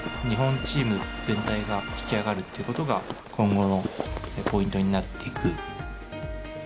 日本チーム全体が引き上がるっていうことが今後のポイントになっていく。